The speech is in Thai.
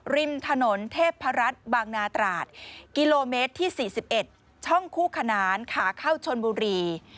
ริมถนนเทพรัฐบางนาตราดกิโลเมตรที่๔๑ช่องคู่ขนานขาเข้าชนบุรี